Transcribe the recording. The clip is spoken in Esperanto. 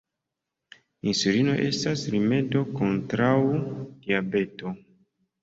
Insulino estas rimedo kontraŭ diabeto.